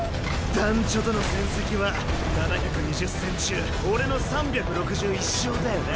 団ちょとの戦績は７２０戦中俺の３６１勝だよな。